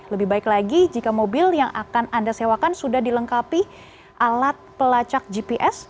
lebih baik lagi jika mobil yang akan anda sewakan sudah dilengkapi alat pelacak gps